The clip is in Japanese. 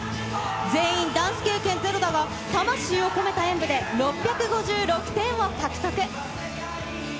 全員、ダンス経験ゼロだが、魂を込めた演武で６５６点を獲得。